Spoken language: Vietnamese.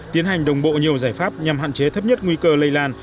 tiến hành đồng bộ nhiều giải pháp nhằm hạn chế thấp nhất nguy cơ lây lan